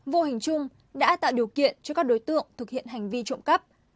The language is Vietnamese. vô hình chung đã tạo điều kiện cho các đối tượng thực hiện hành vi trộm cắp